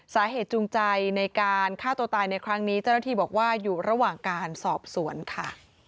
จูงใจในการฆ่าตัวตายในครั้งนี้เจ้าหน้าที่บอกว่าอยู่ระหว่างการสอบสวนค่ะ